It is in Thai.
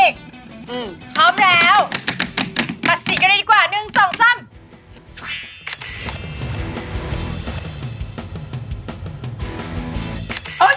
จัดไปเหมือนกัน